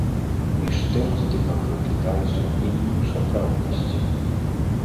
Між тым, здымак выклікае сумненні ў сапраўднасці.